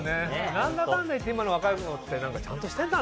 何だかんだ言って今の若い子ってちゃんとしてんだね。